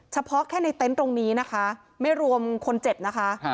เฉพาะแค่ในเต็นต์ตรงนี้นะคะไม่รวมคนเจ็บนะคะ